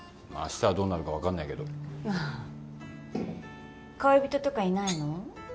まあ明日はどうなるか分かんないけど恋人とかいないの？